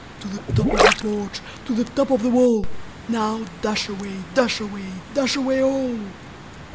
To the top of the porch, to the top of the wall, Now, dash away, dash away, dash away all!"